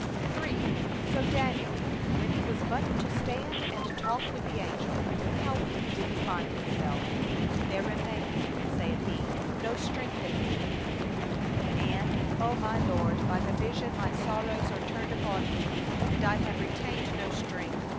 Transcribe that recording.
So Daniel, when he was but to stand and talk with the angel, how weak did he find himself; 'There remained,' saith he, 'no strength in me;' and, '0 my Lord, by the vision my sorrows are turned upon me, and I have retained no strength.